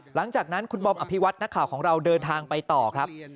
หลังจากนั้นคุณบอมอภิวัตนักข่าวของเราเดินทางไปต่อครับ